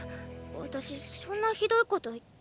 私そんなひどいこと言った？